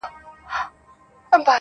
تمدنونه د تجارت له لارې پرمختګ کوي